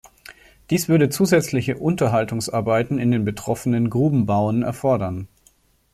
Dies würde zusätzliche Unterhaltungsarbeiten in den betroffenen Grubenbauen erfordern.